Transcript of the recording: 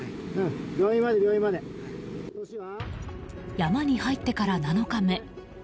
山に入ってから７日目。